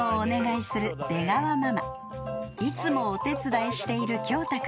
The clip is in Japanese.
［いつもお手伝いしているきょうた君］